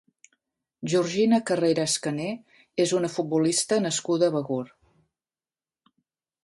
Georgina Carreras Caner és una futbolista nascuda a Begur.